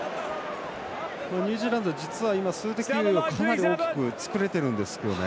ニュージーランド、実は今数的優位をかなり大きく作れてるんですね。